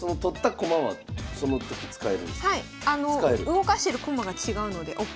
動かしてる駒が違うのでＯＫでございます。